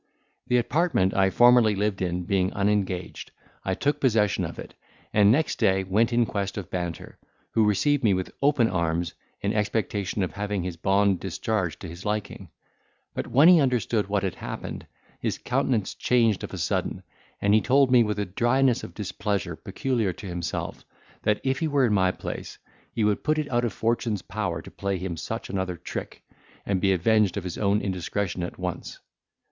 The apartment I formerly lived in being unengaged, I took possession of it, and next day went in quest of Banter, who received me with open arms, in expectation of having his bond discharged to his liking: but when he understood what had happened, his countenance changed of a sudden, and he told me, with a dryness of displeasure peculiar to himself, that, if he were in my place, he would put it out of fortune's power to play him such another trick, and be avenged of his own indiscretion at once.